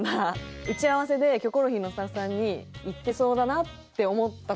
打ち合わせで『キョコロヒー』のスタッフさんに言ってそうだなって思った事でした。